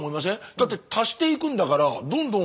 だって足していくんだからどんどん。